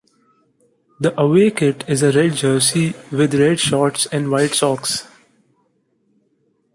The away kit is a red jersey with red shorts and white socks.